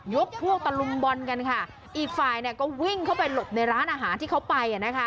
ยกพวกตลุ่มบอนกันค่ะอีกฝ่ายก็วิ่งเข้าไปหลบในร้านอาหารที่เขาไป